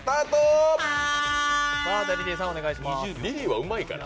リリーはうまいから。